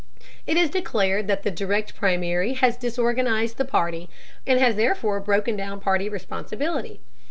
It is declared that the Direct Primary has disorganized the party and has therefore broken down party responsibility.